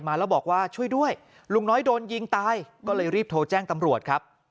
มาแล้วบอกว่าช่วยด้วยลุงน้อยโดนยิงตายก็เลยรีบโทรแจ้งตำรวจครับ